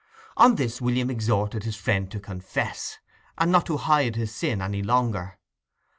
On this William exhorted his friend to confess, and not to hide his sin any longer.